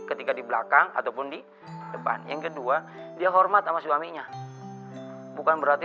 ketika di belakang ataupun di depan yang kedua dia hormat sama suaminya bukan berarti